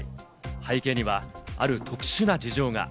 背景にはある特殊な事情が。